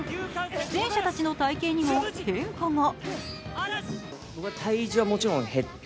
出演者たちの体形にも変化が。